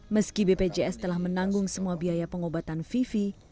meski bpjs telah menanggung semua biaya pengobatan vivi